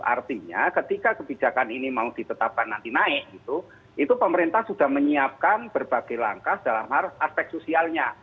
artinya ketika kebijakan ini mau ditetapkan nanti naik gitu itu pemerintah sudah menyiapkan berbagai langkah dalam aspek sosialnya